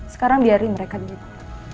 sekarang biarin mereka di situ